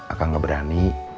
akang gak berani